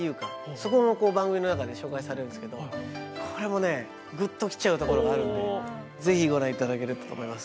そこも番組の中で紹介されるんですけどこれもねぐっと来ちゃうところがあるんで是非ご覧いただけたらと思います。